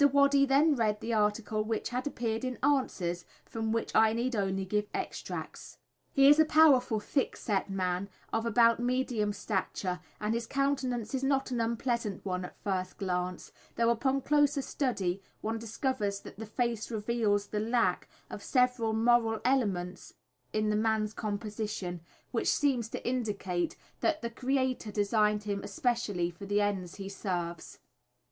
Waddy then read the article which had appeared in "Answers," from which I need only give extracts. He is a powerful, thick set man, of about medium stature, and his countenance is not an unpleasant one at a first glance, though upon closer study one discovers that the face reveals the lack of several moral elements in the man's composition, which seems to indicate that the Creator designed him especially for the ends he serves.